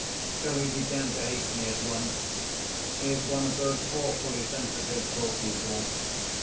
So he began to hate me at once. He is one of those awfully sensitive poor people.